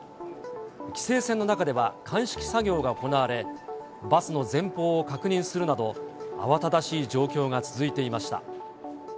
規制線の中では鑑識作業が行われ、バスの前方を確認するなど、慌ただしい状況が続いていました。